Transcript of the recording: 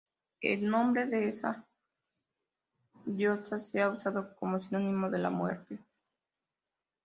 El nombre de esta diosa se ha usado como sinónimo de la muerte.